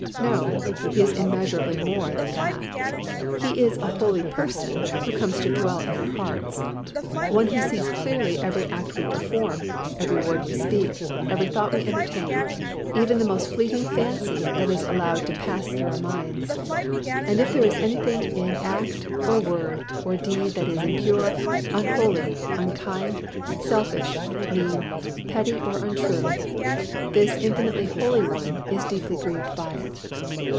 No, He is immeasurably more than that, He is a holy Person who comes to dwell in our hearts, One who sees clearly every act we perform, every word we speak, every thought we entertain, even the most fleeting fancy that is allowed to pass through our minds; and if there is anything in act, or word or deed that is impure, unholy, unkind, selfish, mean, petty or untrue, this infinitely holy One is deeply grieved by it.